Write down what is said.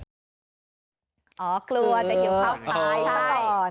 อ๋อกลัวจะเหี่ยวข้าวตายก่อน